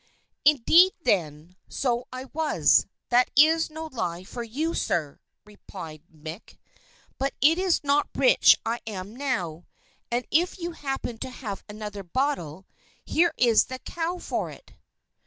"Indeed, then, so I was, that is no lie for you, sir," replied Mick. "But it's not rich I am now! And if you happen to have another bottle, here is the cow for it."